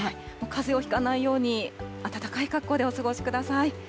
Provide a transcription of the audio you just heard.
かぜをひかないように、暖かい格好でお過ごしください。